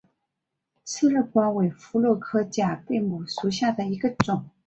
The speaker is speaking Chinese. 刺儿瓜为葫芦科假贝母属下的一个种。